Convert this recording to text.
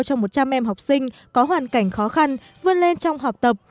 cho một trăm linh em học sinh có hoàn cảnh khó khăn vươn lên trong học tập